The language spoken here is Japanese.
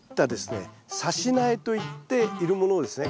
さし苗といっているものをですね